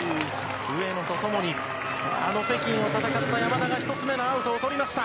上野と共に北京を戦った山田が１つ目のアウトをとりました。